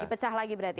di pecah lagi berarti ya